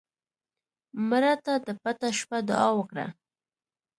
مړه ته د پټه شپه دعا وکړه